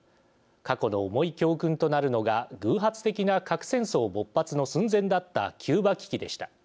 過去の重い教訓となるのが偶発的な核戦争勃発の寸前だったキューバ危機でした。